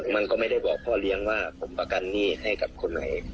มันก็ไม่ได้บอกพ่อเลี้ยงว่าผมประกันหนี้ให้กับคนไหน